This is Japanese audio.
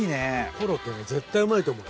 コロッケね絶対うまいと思う。